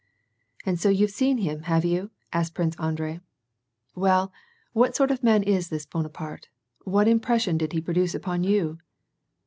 *' And so you've seen him, have you ?" asked Prince Andrei " Well, what sort of a man is this Bonaparte ? What impres sion did he produce upon you